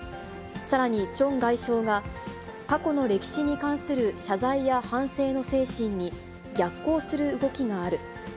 さらに、チョン外相が、過去の歴史に関する謝罪や反省の精神に、逆行する動きがある。